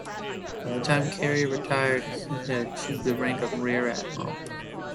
By the time Cary retired he had achieved the rank of Rear Admiral.